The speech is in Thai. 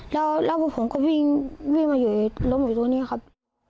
แล้วผมก็วิ่งมาอยู่รถหมดตัวนี้ครับ